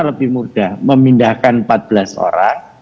lebih mudah memindahkan empat belas orang